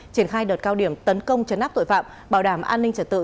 triển khai đợt cao điểm tấn công chấn áp tội phạm bảo đảm an ninh trật tự